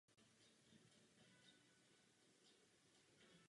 Nachází se zde několik starých šachet po těžbě železné a měděné rudy.